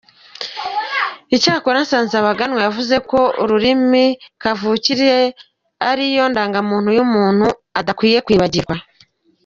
Icyakora, Nsanzabaganwa yavuze ko ururimi kavukire ariyo ndangamuntu y’umuntu adakwiye kwibagirwa.